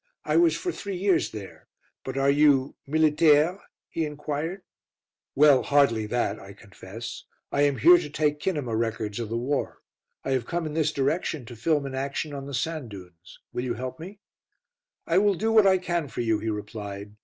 "I was for three years there. But are you militaire?" he enquired. "Well, hardly that," I confess. "I am here to take kinema records of the war. I have come in this direction to film an action on the sand dunes. Will you help me?" "I will do what I can for you," he replied.